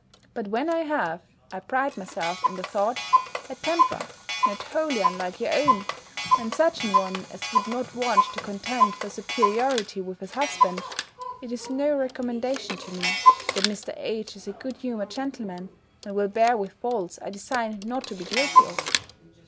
But when I have (I pride myself in the thought) a temper not wholly unlike your own, and such an one as would not want to contend for superiority with a husband, it is no recommendation to me, that Mr. H. is a good humoured gentleman, and will bear with faults I design not to be guilty of.